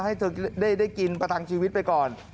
ให้เธอได้กินประทังชีวิตไปก่อน